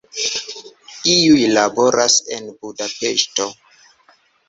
Iuj laboras en Budapeŝto.